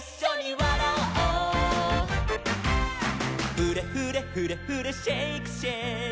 「フレフレフレフレシェイクシェイク」